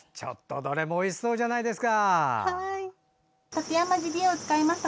どれもおいしそうじゃないですか！